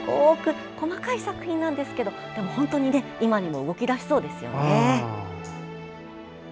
細かい作品なんですけど本当に今にも動き出しそうです。